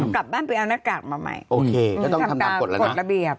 กลับบ้านไปเอาหน้ากากมาใหม่ทำงานกดระเบียบ